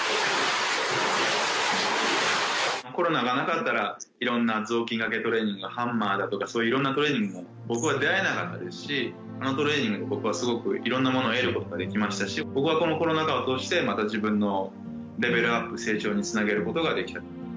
コロナがなかったら、いろんな雑巾がけトレーニング、ハンマーだとか、そういういろんなトレーニングとも、僕は出会えなかったですし、そのトレーニングで僕はいろんなことを得ることができましたし、僕は、このコロナ禍を通して、自分のレベルアップにつなげることができた。